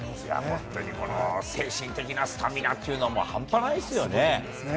本当に精神的なスタミナというのは、半端ないですよね。